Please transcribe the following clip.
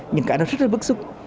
những cái đó rất là bất xúc